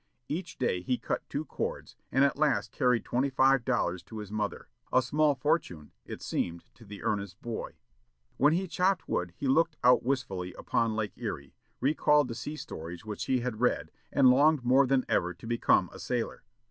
Each day he cut two cords, and at last carried twenty five dollars to his mother; a small fortune, it seemed to the earnest boy. While he chopped wood he looked out wistfully upon Lake Erie, recalled the sea stories which he had read, and longed more than ever to become a sailor.